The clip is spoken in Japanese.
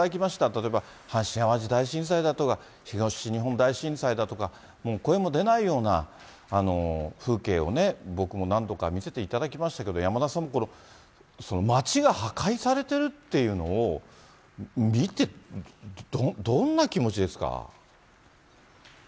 例えば阪神・淡路大震災だとか、東日本大震災だとか、声も出ないような風景をね、僕も何度か見せていただきましたけど、山田さん、町が破壊されているっていうのを見て、どんな気持ちですか。